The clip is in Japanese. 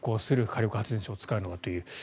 火力発電所を使うのはと。